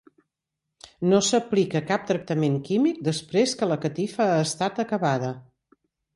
No s'aplica cap tractament químic després que la catifa ha estat acabada.